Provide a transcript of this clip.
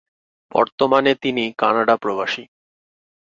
বর্তমানে তিনি কানাডা প্রবাসী।